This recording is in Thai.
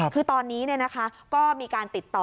คือตอนนี้ก็มีการติดต่อ